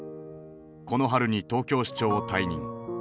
この春に東京市長を退任。